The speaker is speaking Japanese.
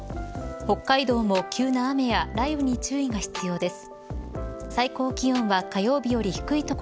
北海道も急な雨や雷雨に注意が必要です。